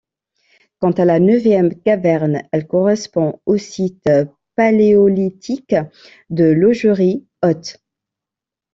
Quant à la Neuvième Caverne, elle correspond au site paléolithique de Laugerie-Haute.